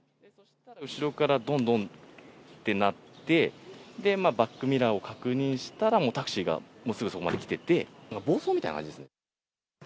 後ろから、どんどんってなって、バックミラーを確認したら、もうタクシーがすぐそこまで来てて、暴走みたいな感じですね。